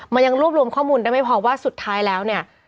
มันยังรวบรวมข้อมูลได้ไม่พอว่าสุดท้ายแล้วเนี่ย